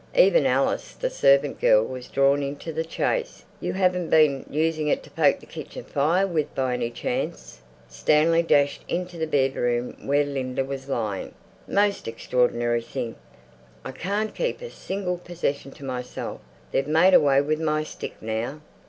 Even Alice, the servant girl, was drawn into the chase. "You haven't been using it to poke the kitchen fire with by any chance?" Stanley dashed into the bedroom where Linda was lying. "Most extraordinary thing. I can't keep a single possession to myself. They've made away with my stick, now!"